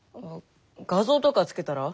画像とか付けたら？